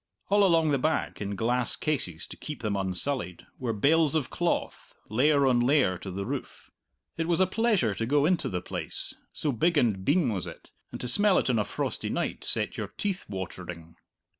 All along the back, in glass cases to keep them unsullied, were bales of cloth, layer on layer to the roof. It was a pleasure to go into the place, so big and bien was it, and to smell it on a frosty night set your teeth watering.